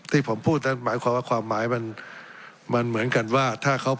ที่ผมพูดนั้นหมายความว่าความหมายมันมันเหมือนกันว่าถ้าเขา